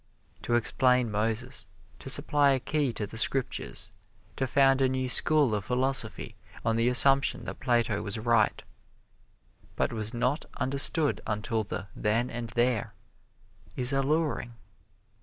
To explain Moses; to supply a key to the Scriptures; to found a new School of Philosophy on the assumption that Plato was right, but was not understood until the Then and There, is alluring.